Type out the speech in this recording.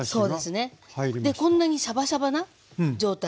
こんなにシャバシャバな状態。